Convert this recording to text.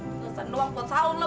udah sendok banget pot saun lu